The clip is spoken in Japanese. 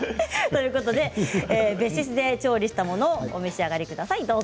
別室で調理したものをお召し上がりください。